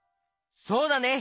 そうだね！